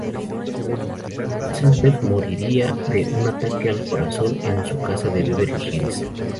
Rosenberg moriría de un ataque al corazón en su casa de Beverly Hills.